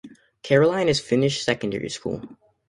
Caroline is finished secondary school.